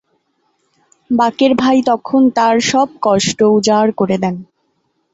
বাকের ভাই তখন তার সব কষ্ট উজাড় করে দেন।